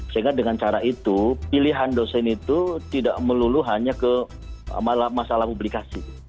sehingga dengan cara itu pilihan dosen itu tidak melulu hanya ke masalah publikasi